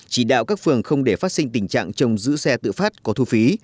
chỉ đạo các phường không để phát sinh tình trạng trông giữ xe tự phát có thu phí